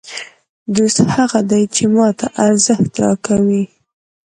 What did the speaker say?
دوست هغه دئ، چي ما ته ارزښت راکوي.